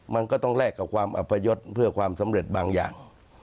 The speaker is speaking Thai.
มันก็ต้องแลกกับความอัพยศเพื่อความสำเร็จบางอย่าง